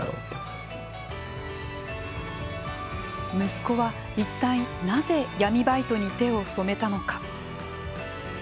息子は一体なぜ闇バイトに手を染めたのか。